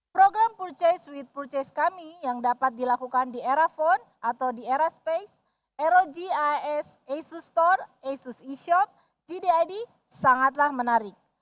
program purchase with purchase kami yang dapat dilakukan di aerafone atau di aeraspace rog aes asus store asus eshop jdid sangatlah menarik